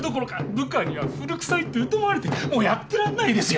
部下には古くさいって疎まれてもうやってらんないですよ。